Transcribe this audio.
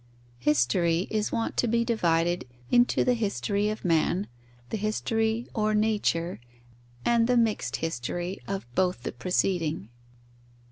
_ History is wont to be divided into the history of man, the history or nature, and the mixed history of both the preceding.